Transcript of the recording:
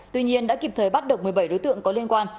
tuy nhiên đã kịp thời bắt được một mươi bảy đối tượng có liên quan